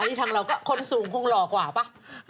นี่ทางเราก็คนสูงคงหล่อกว่าป่ะ